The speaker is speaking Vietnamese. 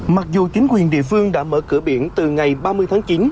mặc dù chính quyền địa phương đã mở cửa biển từ ngày ba mươi tháng chín